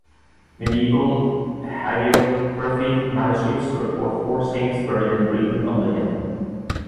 Medieval Hagiography Manuscripts record four saints buried in Breedon-on-the-Hill.